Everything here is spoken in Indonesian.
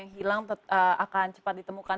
hilang akan cepat ditemukan